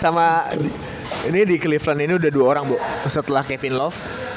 sama ini di clevrand ini udah dua orang bu setelah kevin love